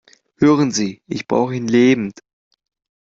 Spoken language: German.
Hören Sie, ich brauche ihn lebend!